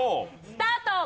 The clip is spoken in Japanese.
スタート！